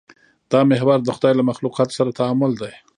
دا محور د خدای له مخلوقاتو سره تعامل دی.